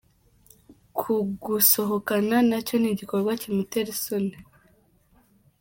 Kugusohokana nacyo ni igikorwa kimutera isoni.